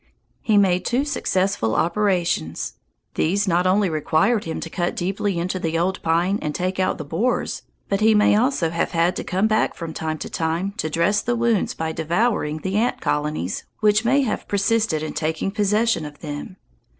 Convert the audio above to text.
He made two successful operations. These not only required him to cut deeply into the old pine and take out the borers, but he may also have had to come back from time to time to dress the wounds by devouring the ant colonies which may have persisted in taking possession of them.